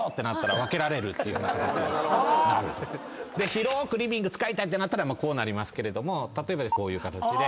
広ーくリビング使いたいってなったらこうなりますけど例えばこういう形で。